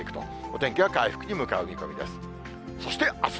お天気は回復に向かう見込みです。